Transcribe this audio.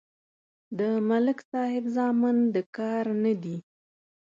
د ملک صاحب زامن د کار نه دي.